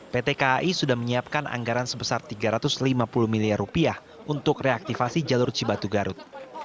pt kai sudah menyiapkan anggaran sebesar rp tiga ratus lima puluh miliar rupiah untuk reaktivasi jalur cibatu garut